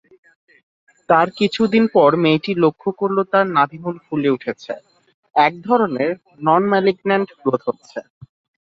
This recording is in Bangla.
তার কিছুদিন পর মেয়েটি লক্ষ করল তার নাভিমূল ফুলে উঠেছে-একধরনের ননম্যালিগন্যান্ট গ্রোথ হচ্ছে।